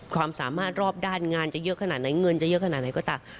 ความสามารถรอบด้านงานจะเยอะขนาดไหนเงินจะเยอะขนาดไหนก็ตาม